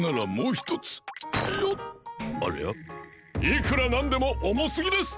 いくらなんでもおもすぎです。